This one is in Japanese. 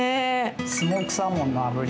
スモークサーモンのあぶり